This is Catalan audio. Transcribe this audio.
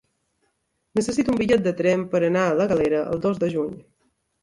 Necessito un bitllet de tren per anar a la Galera el dos de juny.